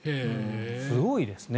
すごいですね。